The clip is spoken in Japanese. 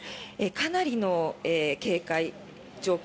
かなりの警戒状況。